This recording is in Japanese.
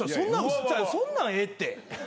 そんなんええって。